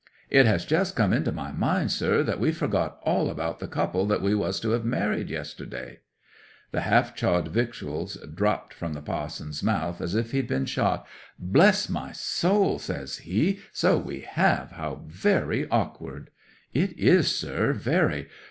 '"It has just come into my mind, sir, that we've forgot all about the couple that we was to have married yesterday!" 'The half chawed victuals dropped from the pa'son's mouth as if he'd been shot. "Bless my soul," says he, "so we have! How very awkward!" '"It is, sir; very.